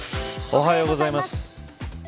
おはようございます。